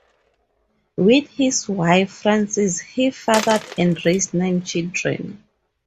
With his wife Frances he fathered and raised nine children.